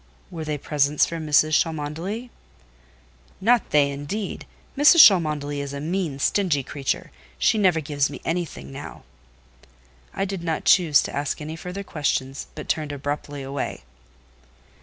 "Were they presents from Mrs. Cholmondeley?" "Not they, indeed. Mrs. Cholmondeley is a mean, stingy creature; she never gives me anything now." I did not choose to ask any further questions, but turned abruptly away.